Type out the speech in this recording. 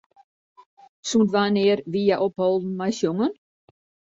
Sûnt wannear wie hja opholden mei sjongen?